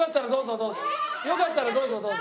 よかったらどうぞどうぞ。